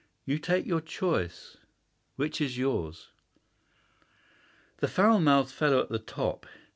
You take your choice. Which is yours?" "The foul mouthed fellow at the top.